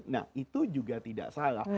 nah itu juga tidak salah